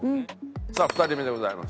さあ２人目でございます。